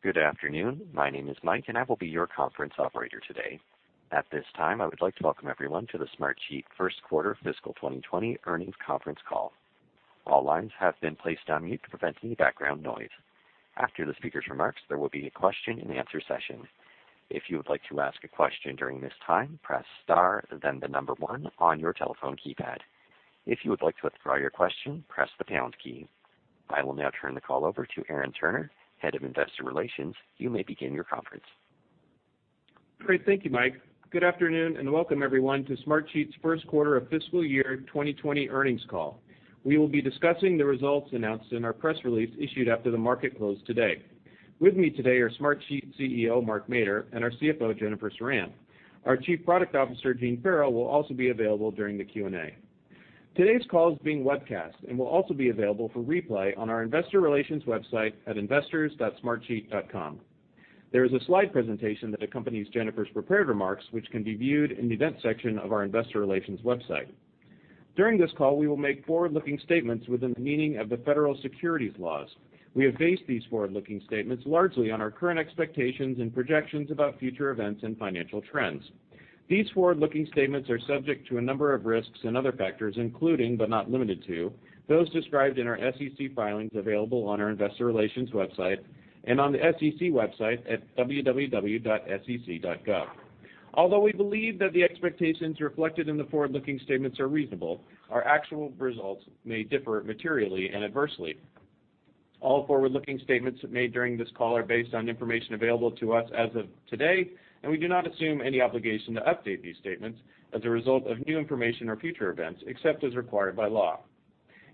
Good afternoon. My name is Mike, and I will be your conference operator today. At this time, I would like to welcome everyone to the Smartsheet first quarter fiscal 2020 earnings conference call. All lines have been placed on mute to prevent any background noise. After the speaker's remarks, there will be a question and answer session. If you would like to ask a question during this time, press star, then the number one on your telephone keypad. If you would like to withdraw your question, press the pound key. I will now turn the call over to Aaron Turner, Head of Investor Relations. You may begin your conference. Great. Thank you, Mike. Good afternoon. Welcome everyone to Smartsheet's first quarter of fiscal year 2020 earnings call. We will be discussing the results announced in our press release issued after the market close today. With me today are Smartsheet CEO, Mark Mader, and our CFO, Jennifer Ceran. Our Chief Product Officer, Gene Farrell, will also be available during the Q&A. Today's call is being webcast and will also be available for replay on our investor relations website at investors.smartsheet.com. There is a slide presentation that accompanies Jennifer's prepared remarks, which can be viewed in the event section of our investor relations website. These forward-looking statements are subject to a number of risks and other factors, including, but not limited to, those described in our SEC filings available on our investor relations website and on the SEC website at www.sec.gov. Although we believe that the expectations reflected in the forward-looking statements are reasonable, our actual results may differ materially and adversely. All forward-looking statements made during this call are based on information available to us as of today, and we do not assume any obligation to update these statements as a result of new information or future events, except as required by law.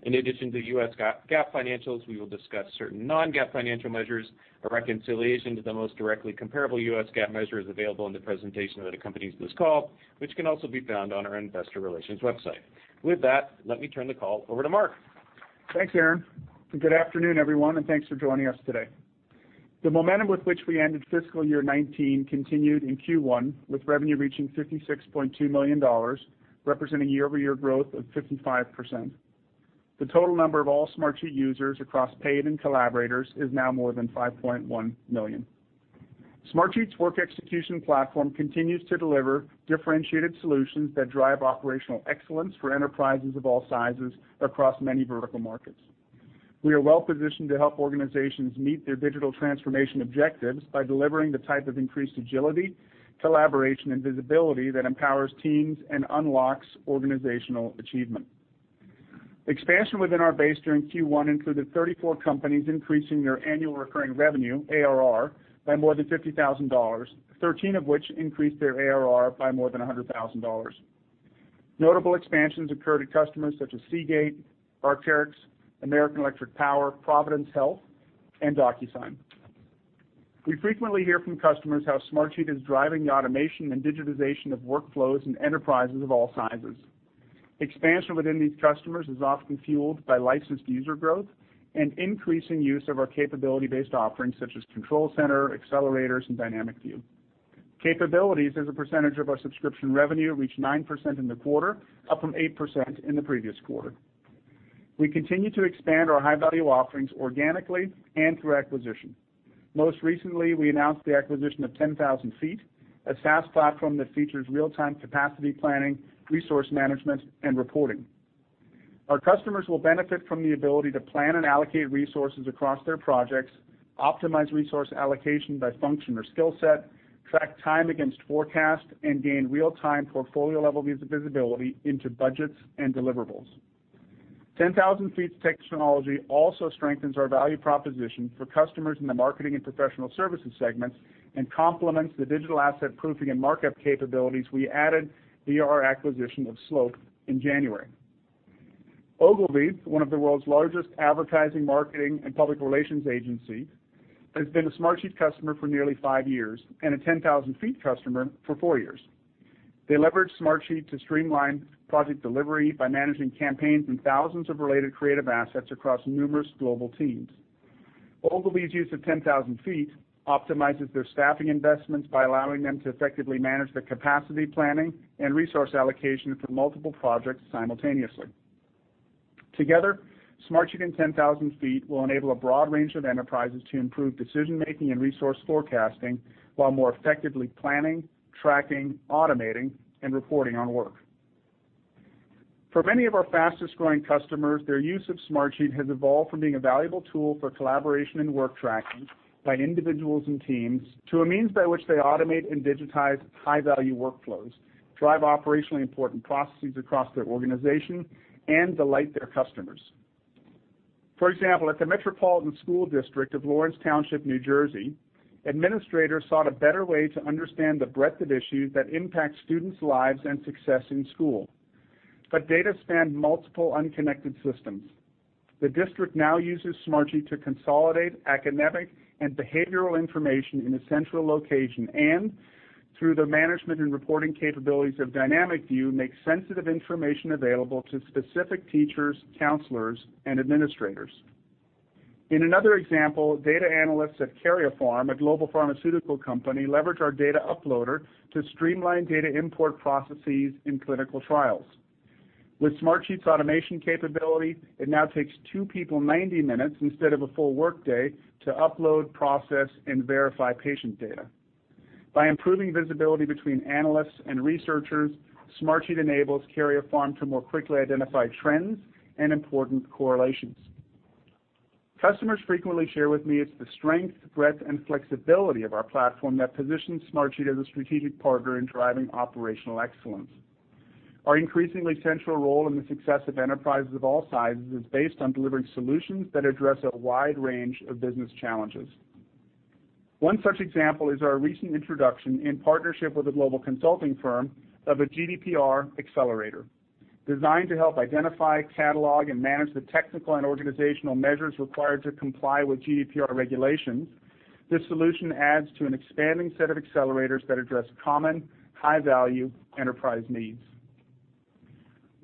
In addition to US GAAP financials, we will discuss certain non-GAAP financial measures. A reconciliation to the most directly comparable US GAAP measure is available in the presentation that accompanies this call, which can also be found on our investor relations website. With that, let me turn the call over to Mark. Thanks, Aaron. Good afternoon, everyone, and thanks for joining us today. The momentum with which we ended fiscal year 2019 continued in Q1, with revenue reaching $56.2 million, representing year-over-year growth of 55%. The total number of all Smartsheet users across paid and collaborators is now more than 5.1 million. Smartsheet's work execution platform continues to deliver differentiated solutions that drive operational excellence for enterprises of all sizes across many vertical markets. We are well-positioned to help organizations meet their digital transformation objectives by delivering the type of increased agility, collaboration, and visibility that empowers teams and unlocks organizational achievement. Expansion within our base during Q1 included 34 companies increasing their annual recurring revenue, ARR, by more than $50,000, 13 of which increased their ARR by more than $100,000. Notable expansions occurred at customers such as Seagate, Arc'teryx, American Electric Power, Providence Health, and DocuSign. We frequently hear from customers how Smartsheet is driving the automation and digitization of workflows in enterprises of all sizes. Expansion within these customers is often fueled by licensed user growth and increasing use of our capability-based offerings, such as Control Center, Accelerators, and Dynamic View. Capabilities as a percentage of our subscription revenue reached 9% in the quarter, up from 8% in the previous quarter. We continue to expand our high-value offerings organically and through acquisition. Most recently, we announced the acquisition of 10,000ft, a SaaS platform that features real-time capacity planning, resource management, and reporting. Our customers will benefit from the ability to plan and allocate resources across their projects, optimize resource allocation by function or skill set, track time against forecast, and gain real-time portfolio-level visibility into budgets and deliverables. 10,000ft's technology also strengthens our value proposition for customers in the marketing and professional services segments and complements the digital asset proofing and markup capabilities we added via our acquisition of Slope in January. Ogilvy, one of the world's largest advertising, marketing, and public relations agencies, has been a Smartsheet customer for nearly five years and a 10,000ft customer for four years. They leverage Smartsheet to streamline project delivery by managing campaigns and thousands of related creative assets across numerous global teams. Ogilvy's use of 10,000ft optimizes their staffing investments by allowing them to effectively manage their capacity planning and resource allocation for multiple projects simultaneously. Together, Smartsheet and 10,000ft will enable a broad range of enterprises to improve decision-making and resource forecasting while more effectively planning, tracking, automating, and reporting on work. For many of our fastest-growing customers, their use of Smartsheet has evolved from being a valuable tool for collaboration and work tracking by individuals and teams to a means by which they automate and digitize high-value workflows, drive operationally important processes across their organization, and delight their customers. For example, at the Metropolitan School District of Lawrence Township, Indiana, administrators sought a better way to understand the breadth of issues that impact students' lives and success in school. Data spanned multiple unconnected systems. The district now uses Smartsheet to consolidate academic and behavioral information in a central location and, through the management and reporting capabilities of Dynamic View, make sensitive information available to specific teachers, counselors, and administrators. In another example, data analysts at Karyopharm, a global pharmaceutical company, leveraged our data uploader to streamline data import processes in clinical trials. With Smartsheet's automation capability, it now takes two people 90 minutes instead of a full workday to upload, process, and verify patient data. By improving visibility between analysts and researchers, Smartsheet enables Karyopharm to more quickly identify trends and important correlations. Customers frequently share with me it's the strength, breadth, and flexibility of our platform that positions Smartsheet as a strategic partner in driving operational excellence. Our increasingly central role in the success of enterprises of all sizes is based on delivering solutions that address a wide range of business challenges. One such example is our recent introduction, in partnership with a global consulting firm, of a GDPR Accelerator. Designed to help identify, catalog, and manage the technical and organizational measures required to comply with GDPR regulations, this solution adds to an expanding set of Accelerators that address common, high-value enterprise needs.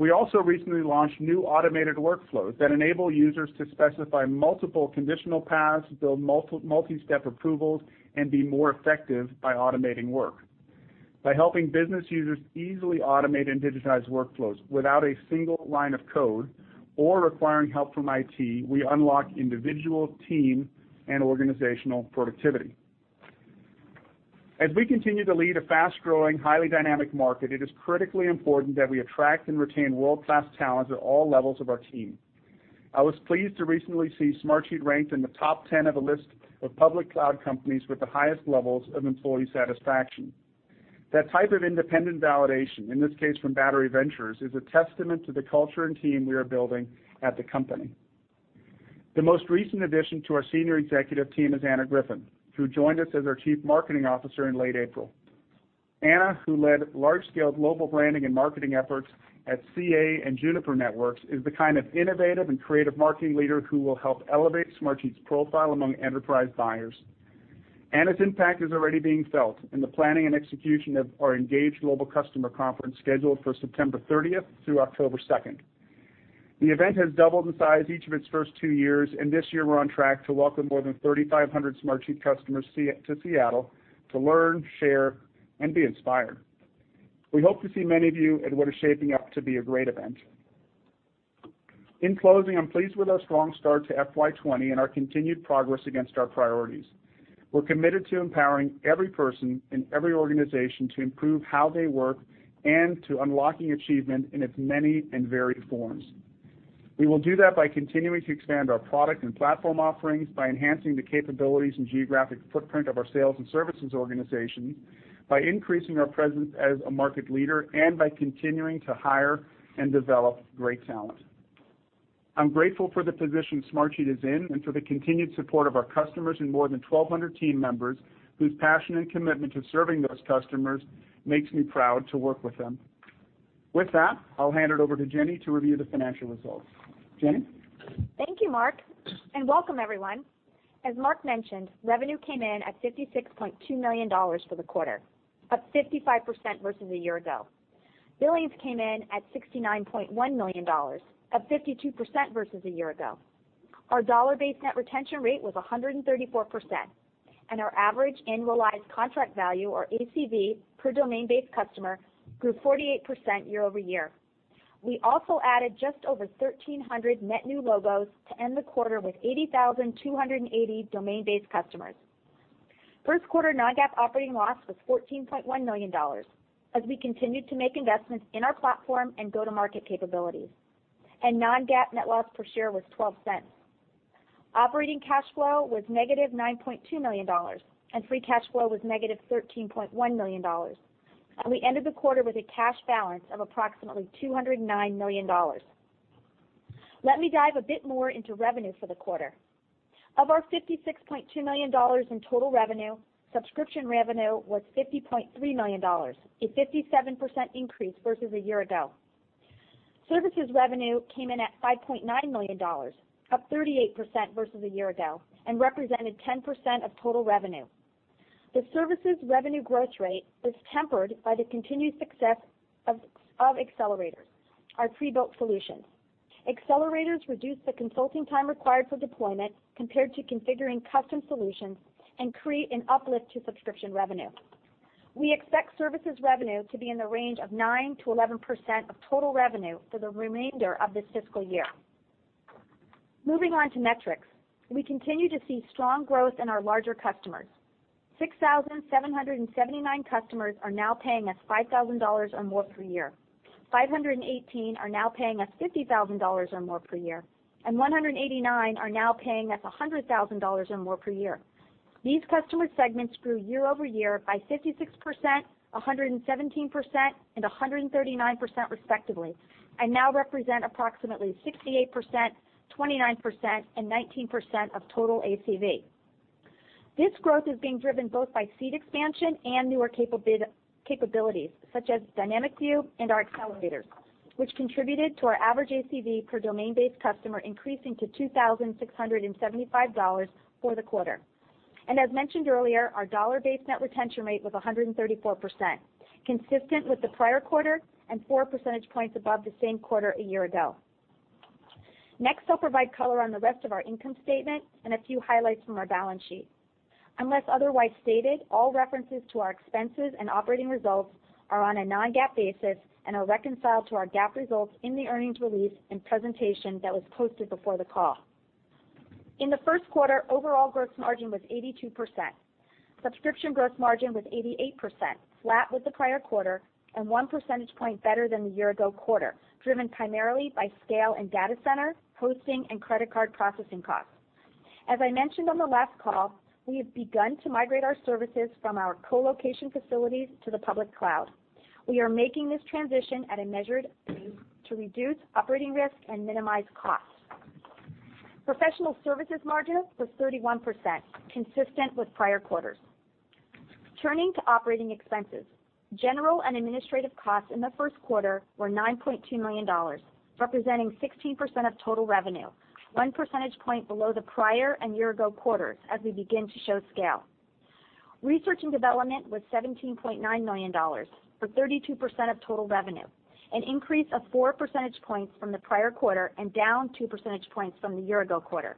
We also recently launched new automated workflows that enable users to specify multiple conditional paths, build multi-step approvals, and be more effective by automating work. By helping business users easily automate and digitize workflows without a single line of code or requiring help from IT, we unlock individual team and organizational productivity. As we continue to lead a fast-growing, highly dynamic market, it is critically important that we attract and retain world-class talent at all levels of our team. I was pleased to recently see Smartsheet ranked in the top 10 of a list of public cloud companies with the highest levels of employee satisfaction. That type of independent validation, in this case, from Battery Ventures, is a testament to the culture and team we are building at the company. The most recent addition to our senior executive team is Anna Griffin, who joined us as our Chief Marketing Officer in late April. Anna, who led large-scale global branding and marketing efforts at CA and Juniper Networks, is the kind of innovative and creative marketing leader who will help elevate Smartsheet's profile among enterprise buyers. Anna's impact is already being felt in the planning and execution of our ENGAGE global customer conference scheduled for September 30th through October 2nd. The event has doubled in size each of its first two years, and this year we're on track to welcome more than 3,500 Smartsheet customers to Seattle to learn, share, and be inspired. We hope to see many of you at what is shaping up to be a great event. In closing, I'm pleased with our strong start to FY 2020 and our continued progress against our priorities. We're committed to empowering every person in every organization to improve how they work and to unlocking achievement in its many and varied forms. We will do that by continuing to expand our product and platform offerings, by enhancing the capabilities and geographic footprint of our sales and services organizations, by increasing our presence as a market leader, and by continuing to hire and develop great talent. I'm grateful for the position Smartsheet is in and for the continued support of our customers and more than 1,200 team members whose passion and commitment to serving those customers makes me proud to work with them. With that, I'll hand it over to Jenny to review the financial results. Jenny? Thank you, Mark, and welcome everyone. As Mark mentioned, revenue came in at $56.2 million for the quarter, up 55% versus a year ago. Billings came in at $69.1 million, up 52% versus a year ago. Our dollar-based net retention rate was 134%, and our average annualized contract value, or ACV, per domain-based customer grew 48% year-over-year. We also added just over 1,300 net new logos to end the quarter with 80,280 domain-based customers. First quarter non-GAAP operating loss was $14.1 million as we continued to make investments in our platform and go-to-market capabilities, and non-GAAP net loss per share was $0.12. Operating cash flow was negative $9.2 million, and free cash flow was negative $13.1 million. We ended the quarter with a cash balance of approximately $209 million. Let me dive a bit more into revenue for the quarter. Of our $56.2 million in total revenue, subscription revenue was $50.3 million, a 57% increase versus a year ago. Services revenue came in at $5.9 million, up 38% versus a year ago, and represented 10% of total revenue. The services revenue growth rate was tempered by the continued success of Accelerators, our pre-built solutions. Accelerators reduce the consulting time required for deployment compared to configuring custom solutions and create an uplift to subscription revenue. We expect services revenue to be in the range of 9%-11% of total revenue for the remainder of this fiscal year. Moving on to metrics. We continue to see strong growth in our larger customers. 6,779 customers are now paying us $5,000 or more per year. 518 are now paying us $50,000 or more per year, and 189 are now paying us $100,000 or more per year. These customer segments grew year-over-year by 56%, 117%, and 139% respectively, and now represent approximately 68%, 29%, and 19% of total ACV. This growth is being driven both by seat expansion and newer capabilities, such as Dynamic View and our Accelerators, which contributed to our average ACV per domain-based customer increasing to $2,675 for the quarter. As mentioned earlier, our dollar-based net retention rate was 134%, consistent with the prior quarter and four percentage points above the same quarter a year ago. Next, I'll provide color on the rest of our income statement and a few highlights from our balance sheet. Unless otherwise stated, all references to our expenses and operating results are on a non-GAAP basis and are reconciled to our GAAP results in the earnings release and presentation that was posted before the call. In the first quarter, overall gross margin was 82%. Subscription gross margin was 88%, flat with the prior quarter and one percentage point better than the year-ago quarter, driven primarily by scale and data center, hosting, and credit card processing costs. As I mentioned on the last call, we have begun to migrate our services from our co-location facilities to the public cloud. We are making this transition at a measured pace to reduce operating risk and minimize costs. Professional services margin was 31%, consistent with prior quarters. Turning to operating expenses. General and administrative costs in the first quarter were $9.2 million, representing 16% of total revenue, one percentage point below the prior and year-ago quarters as we begin to show scale. Research and development was $17.9 million, or 32% of total revenue, an increase of four percentage points from the prior quarter and down two percentage points from the year-ago quarter.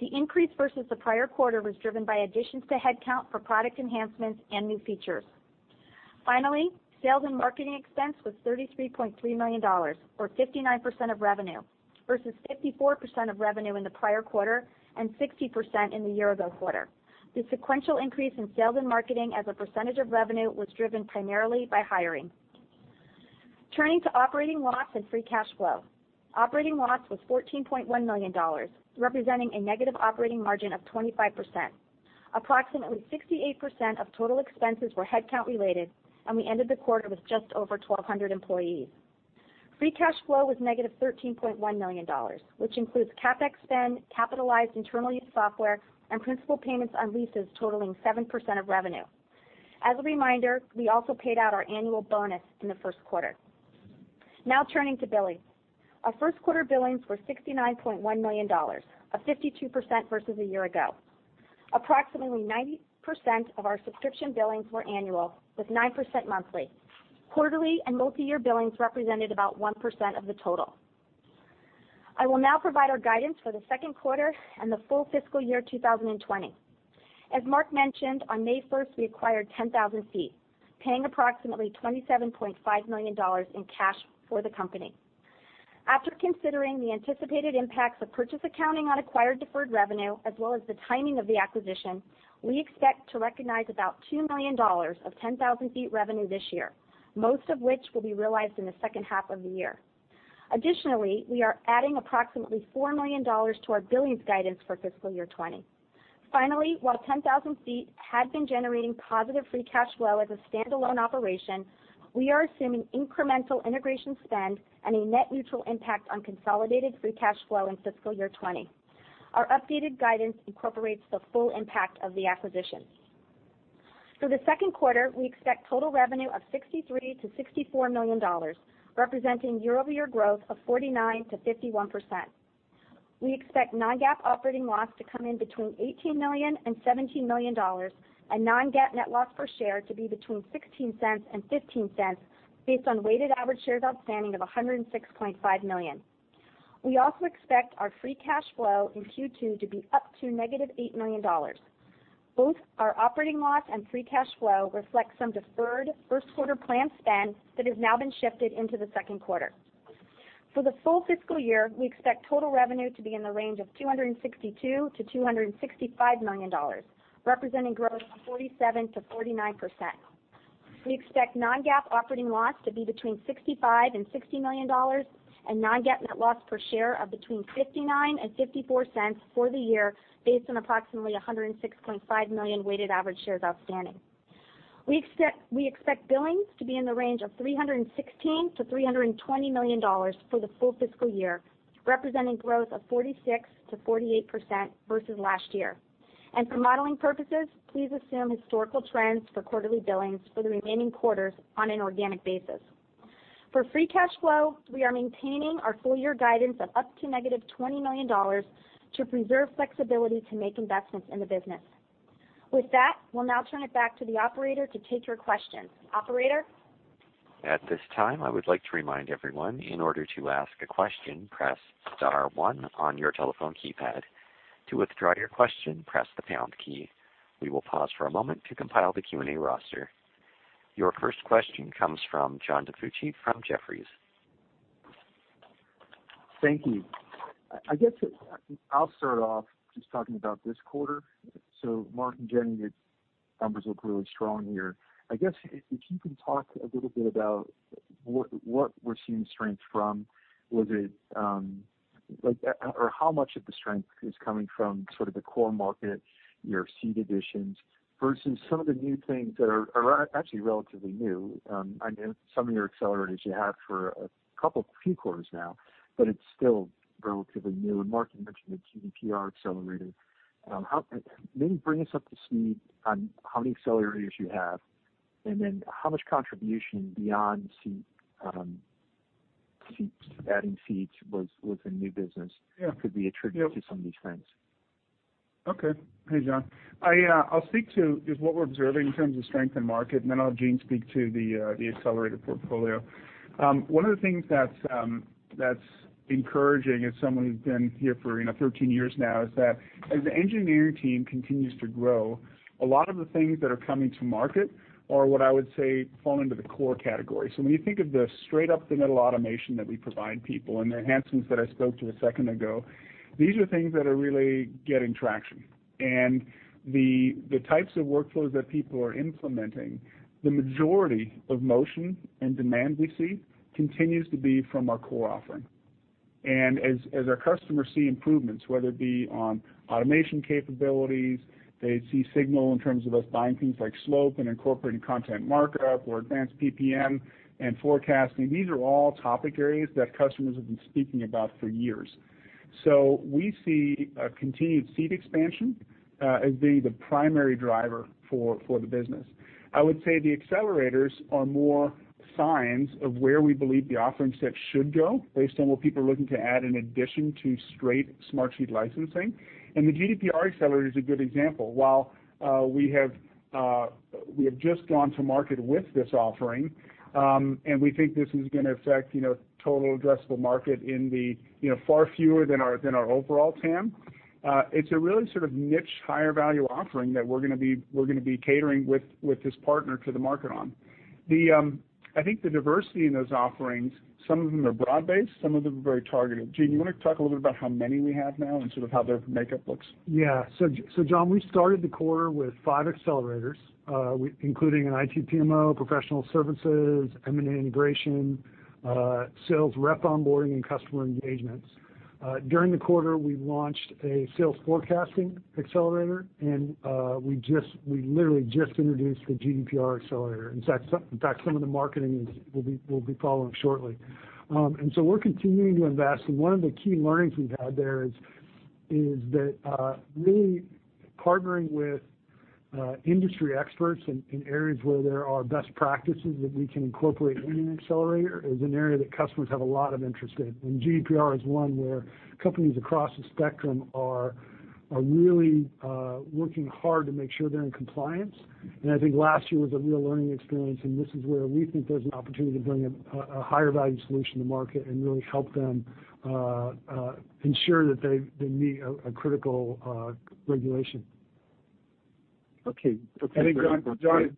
The increase versus the prior quarter was driven by additions to headcount for product enhancements and new features. Sales and marketing expense was $33.3 million, or 59% of revenue, versus 54% of revenue in the prior quarter and 60% in the year-ago quarter. The sequential increase in sales and marketing as a percentage of revenue was driven primarily by hiring. Turning to operating loss and free cash flow. Operating loss was $14.1 million, representing a negative operating margin of 25%. Approximately 68% of total expenses were headcount-related, and we ended the quarter with just over 1,200 employees. Free cash flow was negative $13.1 million, which includes CapEx spend, capitalized internal use software, and principal payments on leases totaling 7% of revenue. As a reminder, we also paid out our annual bonus in the first quarter. Turning to billings. Our first quarter billings were $69.1 million, up 52% versus a year-ago. Approximately 90% of our subscription billings were annual, with 9% monthly. Quarterly and multi-year billings represented about 1% of the total. I will now provide our guidance for the second quarter and the full fiscal year 2020. As Mark mentioned, on May 1st, we acquired 10,000ft, paying approximately $27.5 million in cash for the company. After considering the anticipated impacts of purchase accounting on acquired deferred revenue as well as the timing of the acquisition, we expect to recognize about $2 million of 10,000ft revenue this year, most of which will be realized in the second half of the year. Additionally, we are adding approximately $4 million to our billings guidance for fiscal year 2020. While 10,000ft had been generating positive free cash flow as a standalone operation, we are assuming incremental integration spend and a net neutral impact on consolidated free cash flow in fiscal year 2020. Our updated guidance incorporates the full impact of the acquisition. For the second quarter, we expect total revenue of $63 million-$64 million, representing year-over-year growth of 49%-51%. We expect non-GAAP operating loss to come in between $18 million and $17 million, and non-GAAP net loss per share to be between $0.16 and $0.15 based on weighted average shares outstanding of 106.5 million. We also expect our free cash flow in Q2 to be up to negative $8 million. Both our operating loss and free cash flow reflect some deferred first quarter planned spend that has now been shifted into the second quarter. For the full fiscal year, we expect total revenue to be in the range of $262 million-$265 million, representing growth of 47%-49%. We expect non-GAAP operating loss to be between $65 million and $60 million and non-GAAP net loss per share of between $0.59 and $0.54 for the year based on approximately 106.5 million weighted average shares outstanding. We expect billings to be in the range of $316 million-$320 million for the full fiscal year, representing growth of 46%-48% versus last year. For modeling purposes, please assume historical trends for quarterly billings for the remaining quarters on an organic basis. For free cash flow, we are maintaining our full year guidance of up to -$20 million to preserve flexibility to make investments in the business. With that, we'll now turn it back to the operator to take your questions. Operator? At this time, I would like to remind everyone, in order to ask a question, press star one on your telephone keypad. To withdraw your question, press the pound key. We will pause for a moment to compile the Q&A roster. Your first question comes from John DiFucci from Jefferies. Thank you. I guess I'll start off just talking about this quarter. Mark and Jenny, the numbers look really strong here. I guess if you can talk a little bit about what we're seeing strength from. How much of the strength is coming from sort of the core market, your seed additions, versus some of the new things that are actually relatively new. I know some of your Accelerators you have for a few quarters now, but it's still relatively new. Mark, you mentioned the GDPR Accelerator. Maybe bring us up to speed on how many Accelerators you have, and then how much contribution beyond adding seeds was in new business could be attributed to some of these trends? Okay. Hey, John. I'll speak to just what we're observing in terms of strength in market, then I'll have Gene speak to the Accelerator portfolio. One of the things that's encouraging, as someone who's been here for 13 years now, is that as the engineering team continues to grow, a lot of the things that are coming to market are what I would say fall into the core category. When you think of the straight-up-the-middle automation that we provide people, and the enhancements that I spoke to a second ago, these are things that are really getting traction. The types of workflows that people are implementing, the majority of motion and demand we see continues to be from our core offering. As our customers see improvements, whether it be on automation capabilities, they see signal in terms of us buying things like Slope and incorporating content markup or advanced PPM and forecasting. These are all topic areas that customers have been speaking about for years. We see a continued seat expansion as being the primary driver for the business. I would say the Accelerators are more signs of where we believe the offering set should go based on what people are looking to add in addition to straight Smartsheet licensing. The GDPR Accelerator is a good example. While we have just gone to market with this offering, we think this is going to affect total addressable market in the far fewer than our overall TAM. It's a really sort of niche higher-value offering that we're going to be catering with this partner to the market on. I think the diversity in those offerings, some of them are broad-based, some of them are very targeted. Gene, you want to talk a little bit about how many we have now and sort of how their makeup looks? John, we started the quarter with five Accelerators, including an IT PMO, professional services, M&A integration, sales rep onboarding, and customer engagements. During the quarter, we launched a sales forecasting Accelerator, and we literally just introduced the GDPR Accelerator. In fact, some of the marketing will be following shortly. We're continuing to invest, and one of the key learnings we've had there is that really partnering with industry experts in areas where there are best practices that we can incorporate in an Accelerator is an area that customers have a lot of interest in. GDPR is one where companies across the spectrum are really working hard to make sure they're in compliance. I think last year was a real learning experience, and this is where we think there's an opportunity to bring a higher-value solution to market and really help them ensure that they meet a critical regulation. Okay. John Go ahead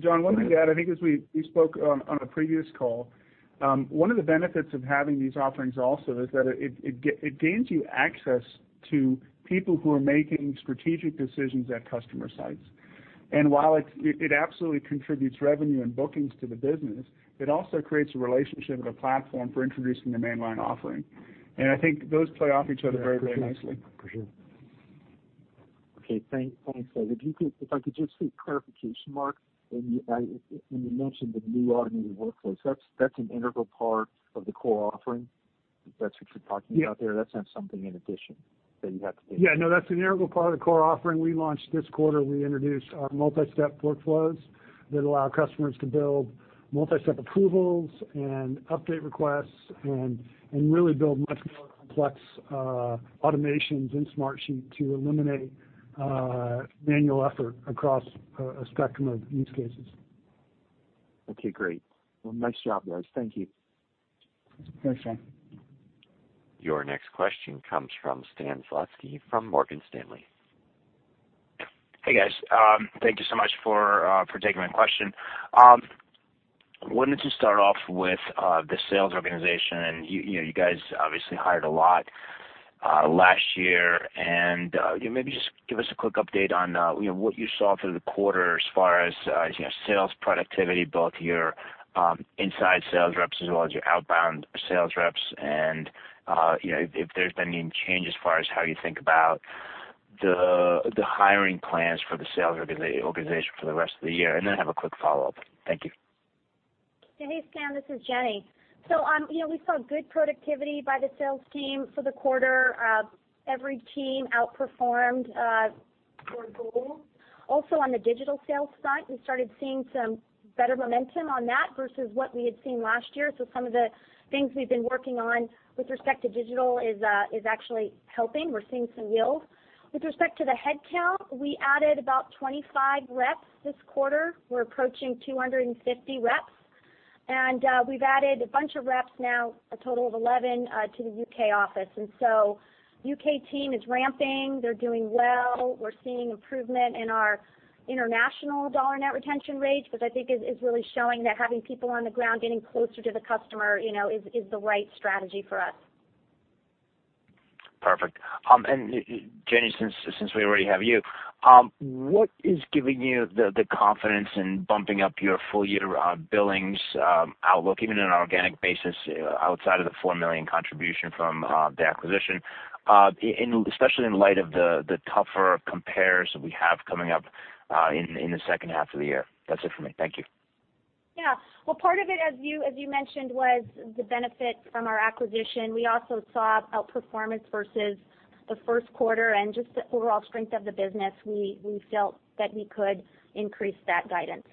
John, one thing to add, I think as we spoke on a previous call, one of the benefits of having these offerings also is that it gains you access to people who are making strategic decisions at customer sites. While it absolutely contributes revenue and bookings to the business, it also creates a relationship and a platform for introducing the mainline offering. I think those play off each other very, very nicely. For sure. Okay, thanks. If I could just seek clarification, Mark, when you mentioned the new automated workflows, that's an integral part of the core offering? That's what you're talking about there? Yeah. That's not something in addition that you have to do. Yeah, no, that's an integral part of the core offering. We launched this quarter, we introduced our multi-step workflows that allow customers to build multi-step approvals and update requests and really build much more complex automations in Smartsheet to eliminate manual effort across a spectrum of use cases. Okay, great. Well, nice job, guys. Thank you. Thanks, John. Your next question comes from Stan Zlotsky from Morgan Stanley. Hey, guys. Thank you so much for taking my question. Wanted to start off with the sales organization. You guys obviously hired a lot last year. Maybe just give us a quick update on what you saw through the quarter as far as sales productivity, both your inside sales reps as well as your outbound sales reps, if there's been any change as far as how you think about the hiring plans for the sales organization for the rest of the year. Then I have a quick follow-up. Thank you. Hey, Stan, this is Jenny. We saw good productivity by the sales team for the quarter. Every team outperformed their goals. On the digital sales side, we started seeing some better momentum on that versus what we had seen last year. Some of the things we've been working on with respect to digital is actually helping. We're seeing some yield. With respect to the headcount, we added about 25 reps this quarter. We're approaching 250 reps. We've added a bunch of reps now, a total of 11, to the U.K. office. U.K. team is ramping. They're doing well. We're seeing improvement in our international dollar net retention rates, which I think is really showing that having people on the ground getting closer to the customer is the right strategy for us. Perfect. Jenny, since we already have you, what is giving you the confidence in bumping up your full-year billings outlook, even in an organic basis outside of the $4 million contribution from the acquisition, especially in light of the tougher compares that we have coming up in the second half of the year? That's it for me. Thank you. Yeah. Part of it, as you mentioned, was the benefit from our acquisition. We also saw outperformance versus the first quarter and just the overall strength of the business. We felt that we could increase that guidance.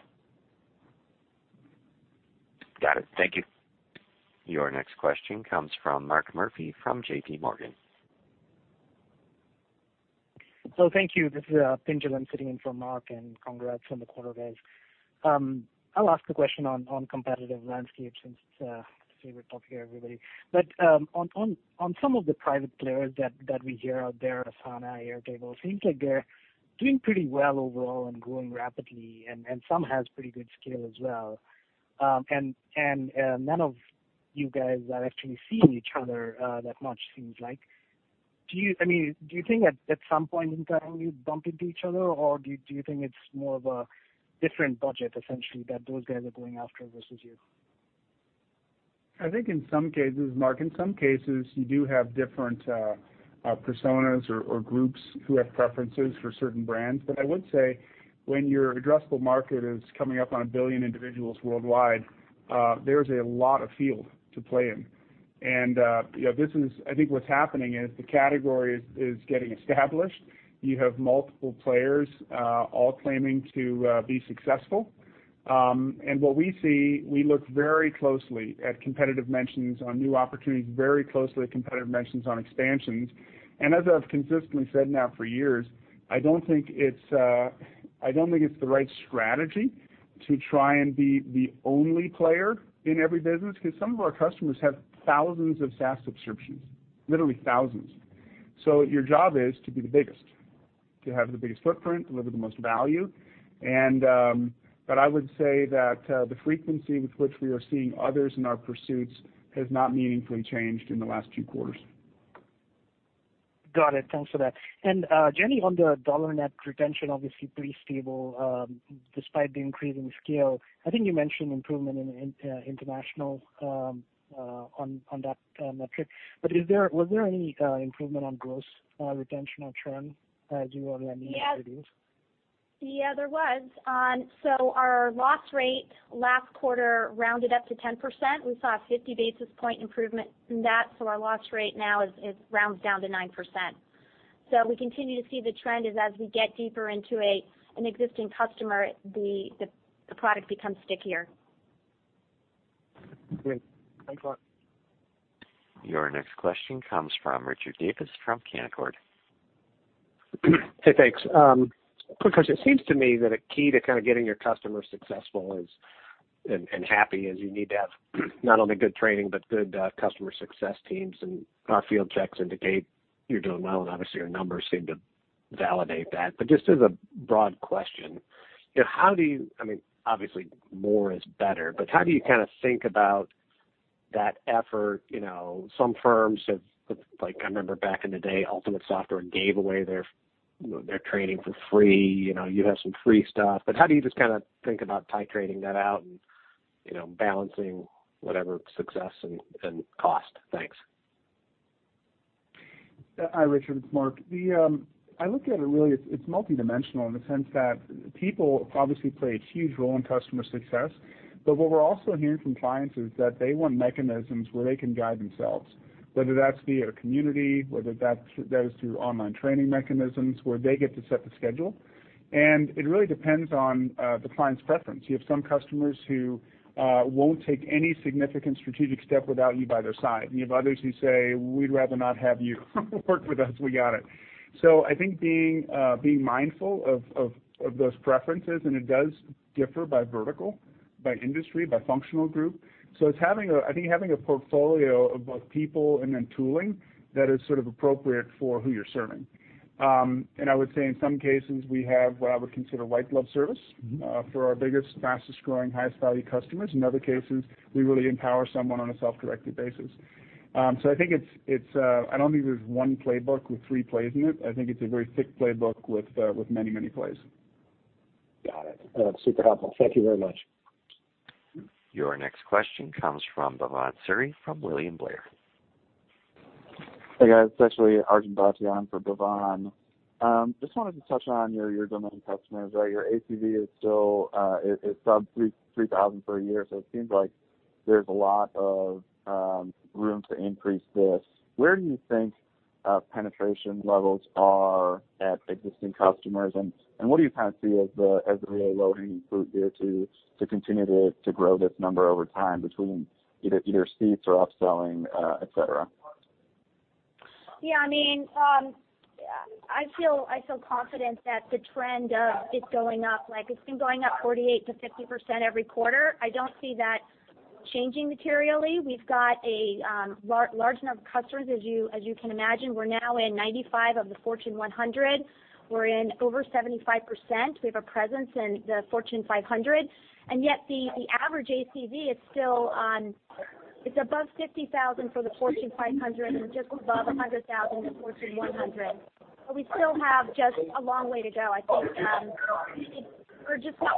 Got it. Thank you. Your next question comes from Mark Murphy from JPMorgan. Thank you. This is Pinjalim, I'm sitting in for Mark, congrats on the quarter, guys. I'll ask a question on competitive landscape since it's a favorite topic of everybody. On some of the private players that we hear out there, Asana, Airtable, seems like they're doing pretty well overall and growing rapidly, some have pretty good scale as well. None of you guys are actually seeing each other that much, seems like. Do you think at some point in time you bump into each other, or do you think it's more of a different budget, essentially, that those guys are going after versus you? I think in some cases, Mark, in some cases, you do have different personas or groups who have preferences for certain brands. I would say when your addressable market is coming up on a billion individuals worldwide, there's a lot of field to play in. I think what's happening is the category is getting established. You have multiple players all claiming to be successful. What we see, we look very closely at competitive mentions on new opportunities, very closely at competitive mentions on expansions. As I've consistently said now for years, I don't think it's the right strategy to try and be the only player in every business, because some of our customers have thousands of SaaS subscriptions, literally thousands. Your job is to be the biggest, to have the biggest footprint, deliver the most value. I would say that the frequency with which we are seeing others in our pursuits has not meaningfully changed in the last two quarters. Got it. Thanks for that. Jenny, on the dollar net retention, obviously pretty stable, despite the increasing scale. I think you mentioned improvement in international on that metric. Was there any improvement on gross retention or churn as you were landing- Yeah these deals? Yeah, there was. Our loss rate last quarter rounded up to 10%. We saw a 50 basis point improvement in that. Our loss rate now rounds down to 9%. We continue to see the trend is as we get deeper into an existing customer, the product becomes stickier. Great. Thanks a lot. Your next question comes from Richard Davis from Canaccord. Hey, thanks. Quick question. It seems to me that a key to kind of getting your customers successful and happy is you need to have not only good training but good customer success teams, and our field checks indicate you're doing well, and obviously your numbers seem to validate that. Just as a broad question, obviously more is better, but how do you think about that effort? Some firms have, I remember back in the day, Ultimate Software gave away their training for free. You have some free stuff, but how do you just think about titrating that out and balancing whatever success and cost? Thanks. Hi, Richard, it's Mark. I look at it really, it's multi-dimensional in the sense that people obviously play a huge role in customer success. What we're also hearing from clients is that they want mechanisms where they can guide themselves, whether that's via a community, whether that is through online training mechanisms where they get to set the schedule, it really depends on the client's preference. You have some customers who won't take any significant strategic step without you by their side, and you have others who say, "We'd rather not have you work with us. We got it." I think being mindful of those preferences, it does differ by vertical, by industry, by functional group. It's, I think, having a portfolio of both people and then tooling that is sort of appropriate for who you're serving. I would say in some cases, we have what I would consider white glove service. for our biggest, fastest-growing, highest-value customers. In other cases, we really empower someone on a self-directed basis. I don't think there's one playbook with three plays in it. I think it's a very thick playbook with many, many plays. Got it. Super helpful. Thank you very much. Your next question comes from Bhavan Suri from William Blair. Hey, guys. It's actually Arjun Bhatia in for Bhavan. Just wanted to touch on your domain customers. Your ACV is sub $3,000 per year, it seems like there's a lot of room to increase this. Where do you think penetration levels are at existing customers, and what do you kind of see as the real low-hanging fruit here to continue to grow this number over time between either seats or upselling, et cetera? Yeah. I feel confident that the trend is going up. It's been going up 48%-50% every quarter. I don't see that changing materially. We've got a large number of customers, as you can imagine. We're now in 95 of the Fortune 100. We're in over 75%. We have a presence in the Fortune 500, yet the average ACV is above $50,000 for the Fortune 500 and just above $100,000 in the Fortune 100. We still have just a long way to go. I think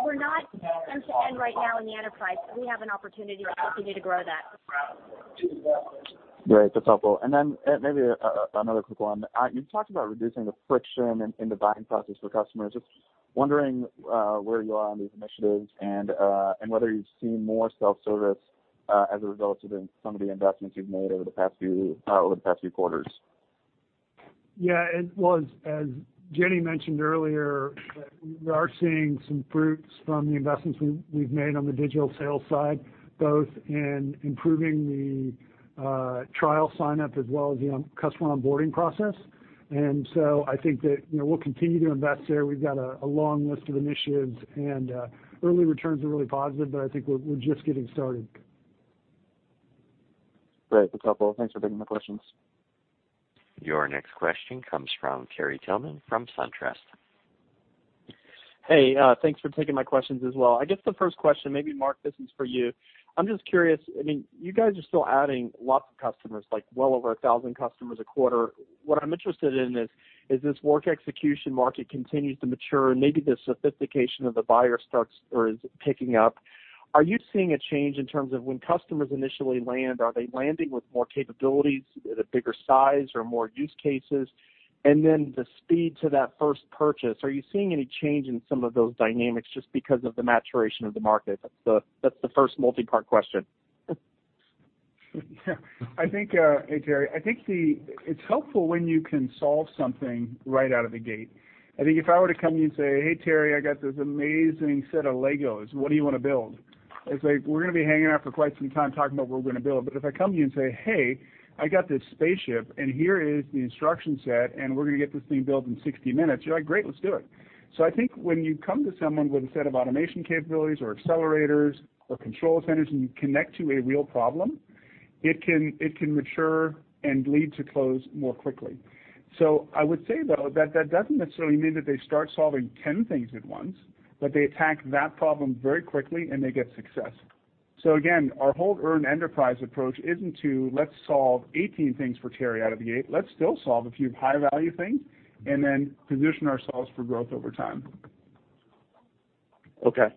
we're not end-to-end right now in the enterprise. We have an opportunity, I think, to grow that. Great. That's helpful. Then maybe another quick one. You talked about reducing the friction in the buying process for customers. Just wondering where you are on these initiatives and whether you've seen more self-service as a result of some of the investments you've made over the past few quarters. Well, as Jenny mentioned earlier, we are seeing some fruits from the investments we've made on the digital sales side, both in improving the trial sign-up as well as the customer onboarding process. I think that we'll continue to invest there. We've got a long list of initiatives, early returns are really positive, but I think we're just getting started. Great. Good couple. Thanks for taking my questions. Your next question comes from Terry Tillman from SunTrust. Hey, thanks for taking my questions as well. I guess the first question, maybe, Mark, this is for you. I'm just curious, you guys are still adding lots of customers, like well over 1,000 customers a quarter. What I'm interested in is, as this work execution market continues to mature, maybe the sophistication of the buyer starts or is picking up, are you seeing a change in terms of when customers initially land? Are they landing with more capabilities, at a bigger size, or more use cases? Then the speed to that first purchase, are you seeing any change in some of those dynamics just because of the maturation of the market? That's the first multi-part question. Hey, Terry. I think it's helpful when you can solve something right out of the gate. I think if I were to come to you and say, "Hey, Terry, I got this amazing set of Legos. What do you want to build?" It's like, we're going to be hanging out for quite some time talking about what we're going to build. If I come to you and say, "Hey, I got this spaceship, and here is the instruction set, and we're going to get this thing built in 60 minutes." You're like, "Great, let's do it." I think when you come to someone with a set of automation capabilities or Accelerators or Control Centers, and you connect to a real problem, it can mature and lead to close more quickly. I would say, though, that that doesn't necessarily mean that they start solving 10 things at once, but they attack that problem very quickly, and they get success. Again, our whole earned enterprise approach isn't to let's solve 18 things for Terry out of the gate. Let's still solve a few high-value things and then position ourselves for growth over time. Okay.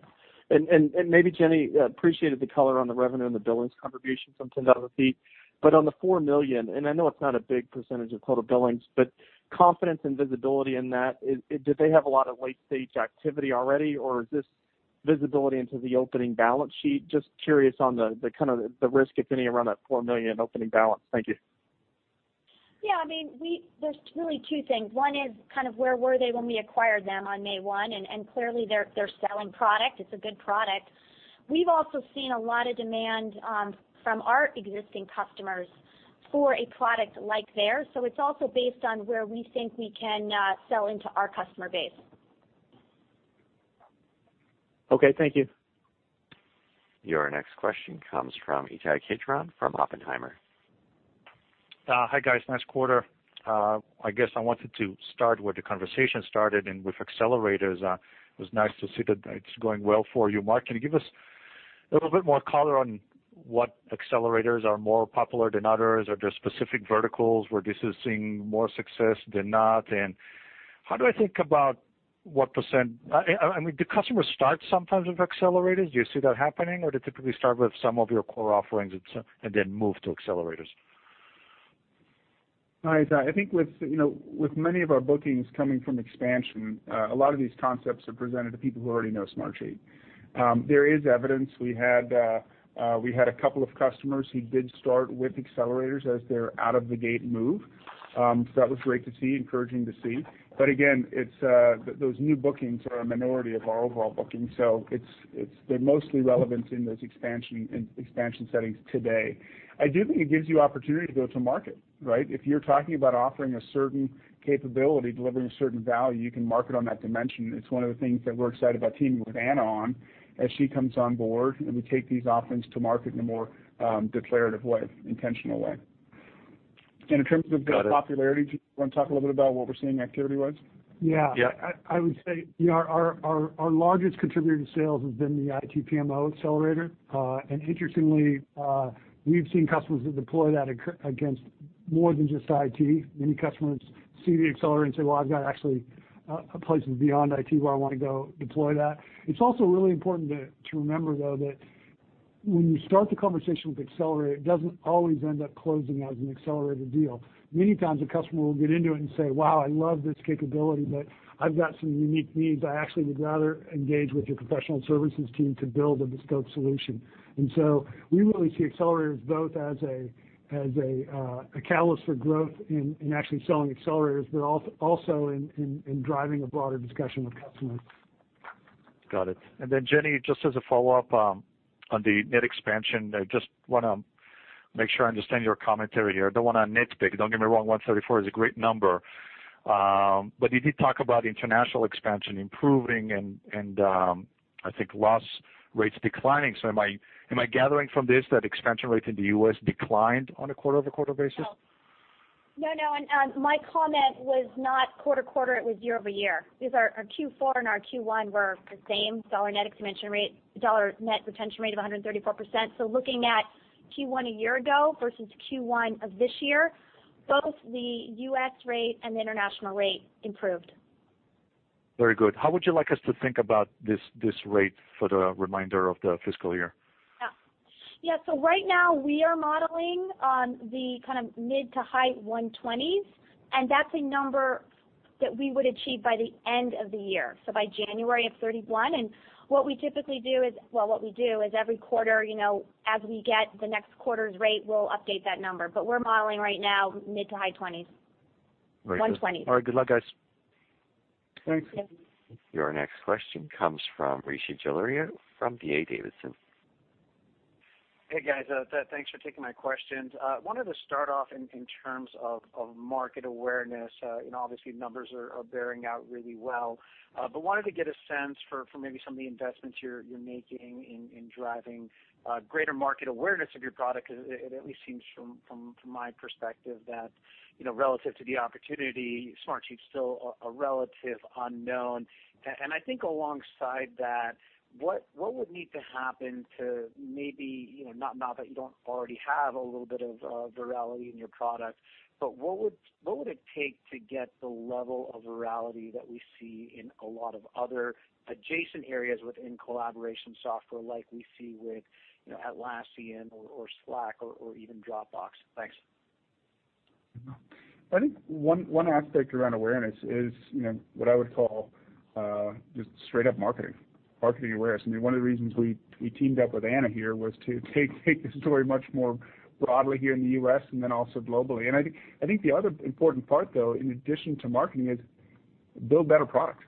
Maybe Jenny, appreciated the color on the revenue and the billings contribution from 10,000ft. On the $4 million, and I know it's not a big % of total billings, but confidence and visibility in that, did they have a lot of late-stage activity already, or is this visibility into the opening balance sheet? Just curious on the risk, if any, around that $4 million opening balance. Thank you. Yeah. There's really two things. One is where were they when we acquired them on May 1? Clearly they're selling product. It's a good product. We've also seen a lot of demand from our existing customers for a product like theirs. It's also based on where we think we can sell into our customer base. Okay, thank you. Your next question comes from Ittai Kidron from Oppenheimer. Hi, guys. Nice quarter. I guess I wanted to start where the conversation started and with Accelerators. It was nice to see that it's going well for you. Mark, can you give us a little bit more color on what Accelerators are more popular than others? Are there specific verticals where this is seeing more success than not? How do I think about? Do customers start sometimes with Accelerators? Do you see that happening, or do they typically start with some of your core offerings and then move to Accelerators? Hi, Ittai. I think with many of our bookings coming from expansion, a lot of these concepts are presented to people who already know Smartsheet. There is evidence. We had a couple of customers who did start with Accelerators as their out-of-the-gate move. That was great to see, encouraging to see. Again, those new bookings are a minority of our overall bookings, so they're mostly relevant in those expansion settings today. I do think it gives you opportunity to go to market, right? If you're talking about offering a certain capability, delivering a certain value, you can market on that dimension. It's one of the things that we're excited about teaming with Anna on as she comes on board, and we take these offerings to market in a more declarative way, intentional way. In terms of the popularity- Got it Do you want to talk a little bit about what we're seeing activity-wise? Yeah. Yeah. I would say our largest contributor to sales has been the IT PMO Accelerator. Interestingly, we've seen customers that deploy that against more than just IT. Many customers see the Accelerator and say, "Well, I've got actually places beyond IT where I want to go deploy that." It's also really important to remember, though, that when you start the conversation with Accelerator, it doesn't always end up closing as an Accelerator deal. Many times a customer will get into it and say, "Wow, I love this capability, but I've got some unique needs. I actually would rather engage with your professional services team to build a bespoke solution." We really see Accelerators both as a catalyst for growth in actually selling Accelerators, but also in driving a broader discussion with customers. Got it. Jenny, just as a follow-up on the net expansion, I just want to make sure I understand your commentary here. Don't want to nitpick. Don't get me wrong, 134 is a great number. You did talk about international expansion improving and I think loss rates declining. Am I gathering from this that expansion rates in the U.S. declined on a quarter-over-quarter basis? No, my comment was not quarter-over-quarter, it was year-over-year, because our Q4 and our Q1 were the same dollar net retention rate of 134%. Looking at Q1 a year ago versus Q1 of this year, both the U.S. rate and the international rate improved. Very good. How would you like us to think about this rate for the remainder of the fiscal year? Yeah. Right now we are modeling on the mid to high 120s, and that's a number that we would achieve by the end of the year. By January of 2031. What we do is every quarter, as we get the next quarter's rate, we'll update that number. We're modeling right now mid to high 20s. 120s. All right. Good luck, guys. Thanks. Thanks. Your next question comes from Rishi Jaluria from D.A. Davidson. Hey, guys. Thanks for taking my questions. Wanted to start off in terms of market awareness. Obviously numbers are bearing out really well. Wanted to get a sense for maybe some of the investments you're making in driving greater market awareness of your product. Because it at least seems, from my perspective that, relative to the opportunity, Smartsheet's still a relative unknown. I think alongside that, what would need to happen to maybe, not that you don't already have a little bit of virality in your product, but what would it take to get the level of virality that we see in a lot of other adjacent areas within collaboration software like we see with Atlassian or Slack or even Dropbox? Thanks. I think one aspect around awareness is what I would call just straight-up marketing. Marketing awareness. One of the reasons we teamed up with Anna here was to take the story much more broadly here in the U.S. and then also globally. I think the other important part, though, in addition to marketing, is build better product.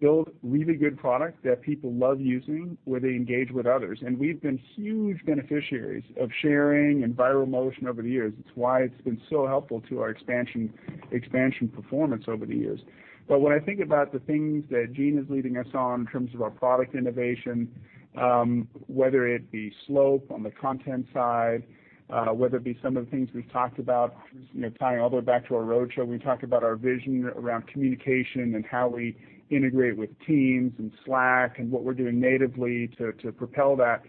Build really good product that people love using, where they engage with others. We've been huge beneficiaries of sharing and viral motion over the years. It's why it's been so helpful to our expansion performance over the years. When I think about the things that Gene is leading us on in terms of our product innovation, whether it be Slope on the content side, whether it be some of the things we've talked about tying all the way back to our roadshow, we talked about our vision around communication and how we integrate with Teams and Slack and what we're doing natively to propel that.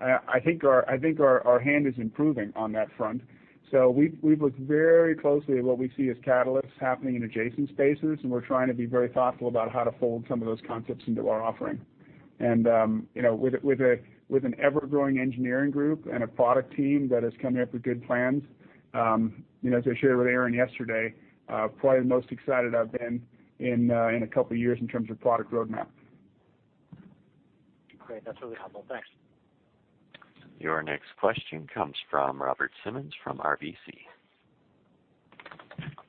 I think our hand is improving on that front. We've looked very closely at what we see as catalysts happening in adjacent spaces, and we're trying to be very thoughtful about how to fold some of those concepts into our offering. With an ever-growing engineering group and a product team that is coming up with good plans, as I shared with Aaron yesterday, probably the most excited I've been in a couple of years in terms of product roadmap. Great. That's really helpful. Thanks. Your next question comes from Robert Simmons from RBC.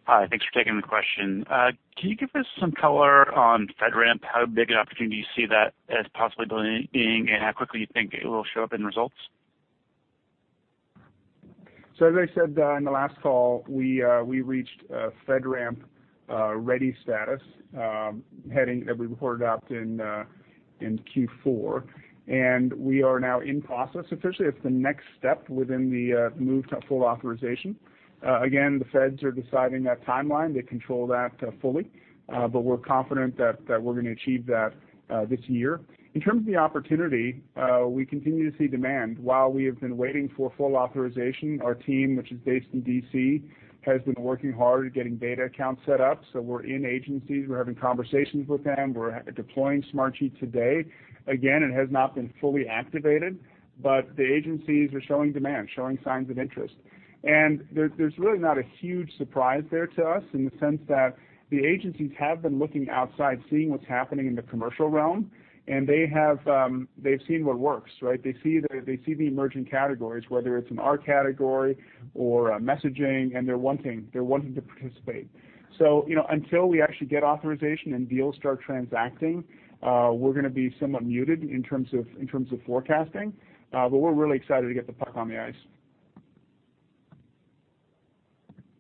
Hi. Thanks for taking the question. Can you give us some color on FedRAMP, how big an opportunity you see that as possibly being, and how quickly you think it will show up in results? As I said in the last call, we reached FedRAMP Ready status, heading that we reported out in Q4, and we are now in process. Essentially, it's the next step within the move to full authorization. Again, the feds are deciding that timeline. They control that fully. We're confident that we're going to achieve that this year. In terms of the opportunity, we continue to see demand. While we have been waiting for full authorization, our team, which is based in D.C., has been working hard at getting beta accounts set up. We're in agencies. We're having conversations with them. We're deploying Smartsheet today. Again, it has not been fully activated, but the agencies are showing demand, showing signs of interest. There's really not a huge surprise there to us in the sense that the agencies have been looking outside, seeing what's happening in the commercial realm, and they've seen what works, right? They see the emerging categories, whether it's in our category or messaging, and they're wanting to participate. Until we actually get authorization and deals start transacting, we're going to be somewhat muted in terms of forecasting. We're really excited to get the puck on the ice.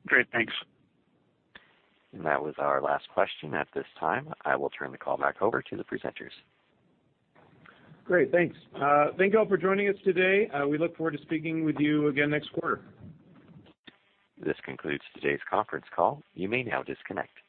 Great. Thanks. That was our last question. At this time, I will turn the call back over to the presenters. Great. Thanks. Thank you all for joining us today. We look forward to speaking with you again next quarter. This concludes today's conference call. You may now disconnect.